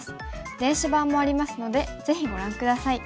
電子版もありますのでぜひご覧下さい。